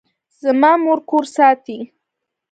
زما مور کور ساتي